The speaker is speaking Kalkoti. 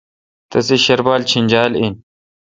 تسے شربال چینجال این۔